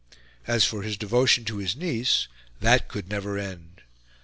As for his devotion to his niece, that could never end.